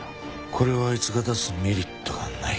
これをあいつが出すメリットがない。